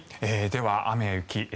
では雨、雪